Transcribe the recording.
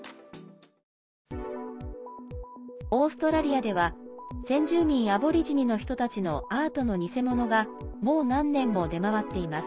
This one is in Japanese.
オーストラリアでは先住民アボリジニの人たちのアートの偽物がもう何年も出回っています。